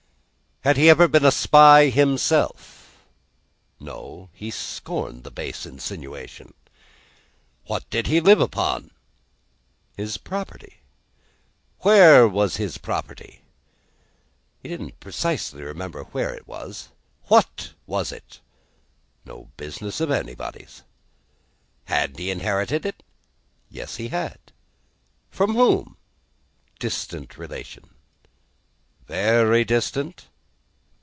Had he ever been a spy himself? No, he scorned the base insinuation. What did he live upon? His property. Where was his property? He didn't precisely remember where it was. What was it? No business of anybody's. Had he inherited it? Yes, he had. From whom? Distant relation. Very distant?